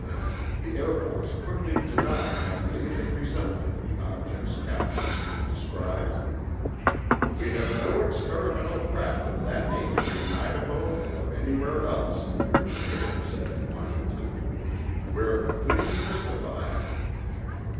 The Air Force quickly denied having anything resembling the! objects Captain Smith described. "We have no experimental craft of that nature in Idaho—or anywhere else," an official said in Washington. "We're completely mystified."